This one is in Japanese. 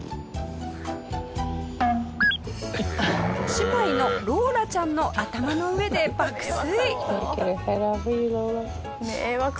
姉妹のローラちゃんの頭の上で爆睡。